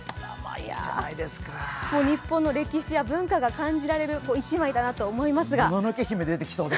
日本の歴史や文化が感じられる１枚だなと思いますが。